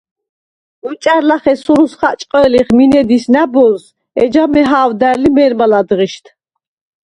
გოჭა̈რ ლახე სურუს ხაჭყჷ̄ლიხ მინე დის ნა̈ბოზს, ეჯა მეჰა̄ვდარდ ლი მე̄რმა ლა̈დღიშდ.